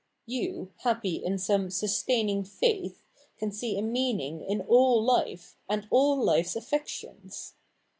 You, happy in some sustaining faith, can see a meaning in all life, and all life's affections.